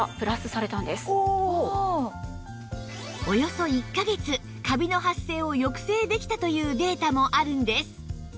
およそ１カ月カビの発生を抑制できたというデータもあるんです